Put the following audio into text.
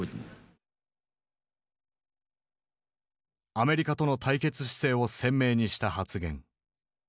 アメリカとの対決姿勢を鮮明にした発言。